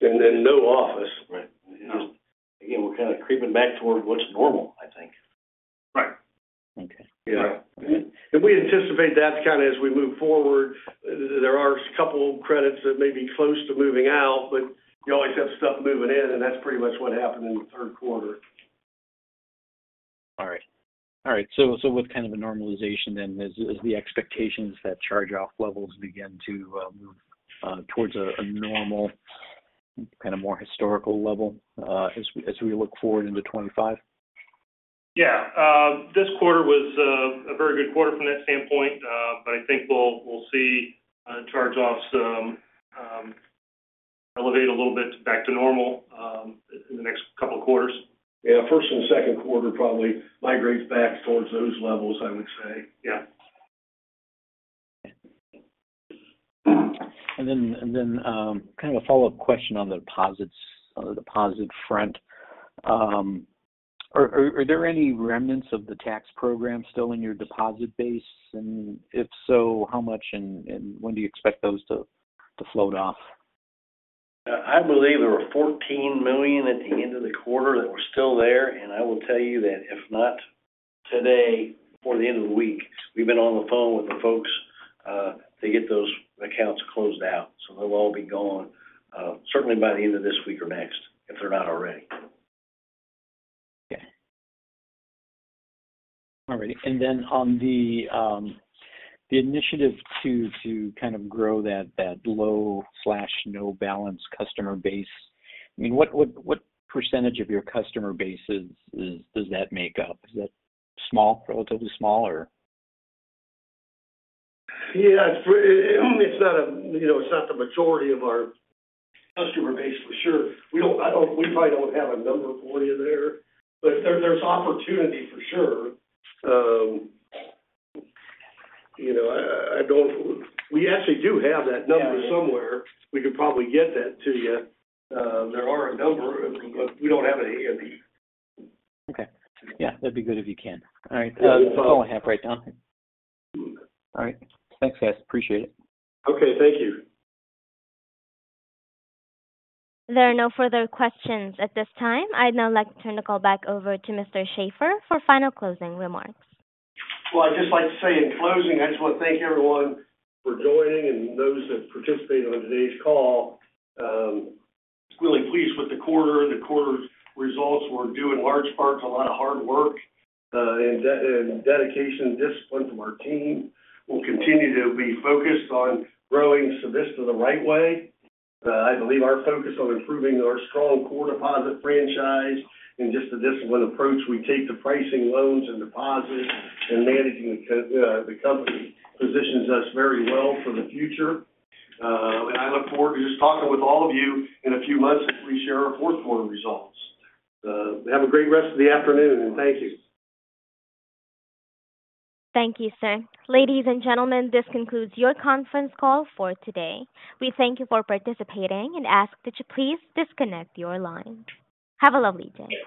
And then no office. Right. Again, we're kind of creeping back toward what's normal, I think. Okay. Yeah. And we anticipate that kind of as we move forward. There are a couple of credits that may be close to moving out, but you always have stuff moving in, and that's pretty much what happened in the third quarter. All right. All right. So with kind of a normalization then, is the expectations that charge-off levels begin to move towards a normal, kind of more historical level as we look forward into 2025? Yeah. This quarter was a very good quarter from that standpoint. But I think we'll see charge-offs elevate a little bit back to normal in the next couple of quarters. Yeah. First and second quarter probably migrates back towards those levels, I would say. Yeah. Okay, and then kind of a follow-up question on the deposits front. Are there any remnants of the tax program still in your deposit base? And if so, how much and when do you expect those to float off? I believe there were $14 million at the end of the quarter that were still there. And I will tell you that if not today, before the end of the week, we've been on the phone with the folks to get those accounts closed out. So they'll all be gone certainly by the end of this week or next if they're not already. Okay. All right. And then on the initiative to kind of grow that low/no-balance customer base, I mean, what percentage of your customer bases does that make up? Is that small, relatively small, or? Yeah. It's not the majority of our customer base for sure. We probably don't have a number for you there. But there's opportunity for sure. We actually do have that number somewhere. We could probably get that to you. There are a number, but we don't have it handy. Okay. Yeah. That'd be good if you can. All right. I'll call it half right now. All right. Thanks, guys. Appreciate it. Okay. Thank you. There are no further questions at this time. I'd now like to turn the call back over to Mr. Shaffer for final closing remarks. I'd just like to say in closing, I just want to thank everyone for joining and those that participated on today's call. Really pleased with the quarter. The quarter's results were due in large part to a lot of hard work and dedication and discipline from our team. We'll continue to be focused on growing Civista the right way. I believe our focus on improving our strong core deposit franchise and just the discipline approach we take to pricing loans and deposits and managing the company positions us very well for the future. I look forward to just talking with all of you in a few months as we share our fourth quarter results. Have a great rest of the afternoon, and thank you. Thank you, sir. Ladies and gentlemen, this concludes your conference call for today. We thank you for participating and ask that you please disconnect your line. Have a lovely day.